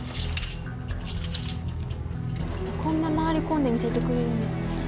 こんな回り込んで見せてくれるんですね。